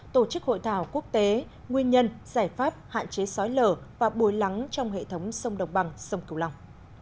tổ chức hội thảo quốc tế nguyên nhân giải pháp hạn chế sói lở và bồi lắng trong hệ thống sông đồng bằng sông cửu long